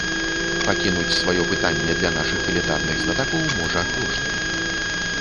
Пакінуць сваё пытанне для нашых элітарных знатакоў можа кожны.